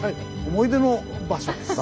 思い出の場所なんですね。